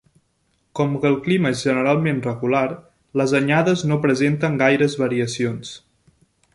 Com que el clima és generalment regular, les anyades no presenten gaires variacions.